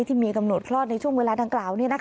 ที่มีกำหนดคลอดในช่วงเวลาดังกล่าว